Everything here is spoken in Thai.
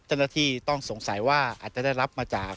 เจ้าหน้าที่ต้องสงสัยว่าอาจจะได้รับมาจาก